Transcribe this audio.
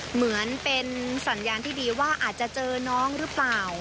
เหมือนเป็นสัญญาณที่ดีว่าอาจจะเจอน้องหรือเปล่า